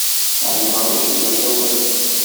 Ɛelmeɣ d acu d aẓawali.